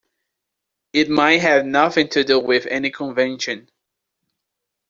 It might have nothing to do with any convention.